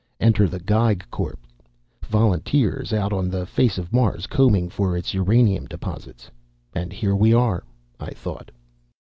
Enter the Geig Corps: volunteers out on the face of Mars, combing for its uranium deposits. And here we are, I thought.